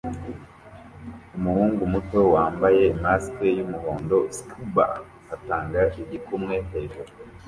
umuhungu muto wambaye mask yumuhondo scubba atanga igikumwe hejuru